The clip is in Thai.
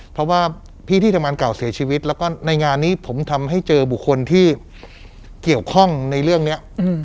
เพราะว่าพี่ที่ทำงานเก่าเสียชีวิตแล้วก็ในงานนี้ผมทำให้เจอบุคคลที่เกี่ยวข้องในเรื่องนี้